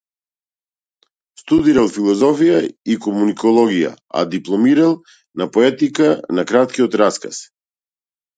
Студирал философија и комуникологија, а дипломирал на поетика на краткиот раказ.